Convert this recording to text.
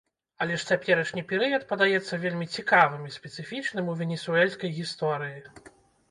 Але ж цяперашні перыяд падаецца вельмі цікавым і спецыфічным у венесуэльскай гісторыі.